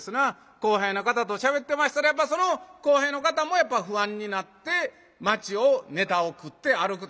後輩の方としゃべってましたらばその後輩の方もやっぱ不安になって街をネタを繰って歩くと。